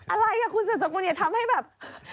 อะไรคุณสุดสกุลอย่าทำให้แบบ